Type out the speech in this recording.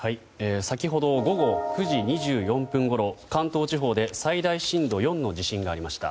先ほど午後９時２４分ごろ関東地方で最大震度４の地震がありました。